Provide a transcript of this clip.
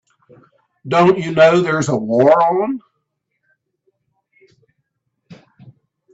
Don't you know there's a war on?